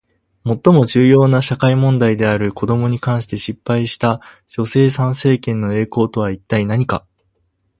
最も重要な社会問題である子どもに関して失敗した女性参政権の栄光とは一体何か？